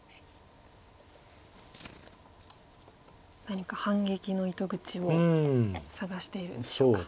何か反撃の糸口を探しているんでしょうか。